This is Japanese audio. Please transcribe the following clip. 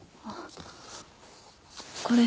これ。